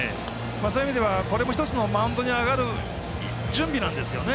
そういう意味ではこれも１つのマウンドに上がる準備なんですよね。